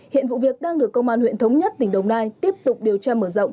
hiện vụ việc đang được công an huyện thống nhất tỉnh đồng nai tiếp tục điều tra mở rộng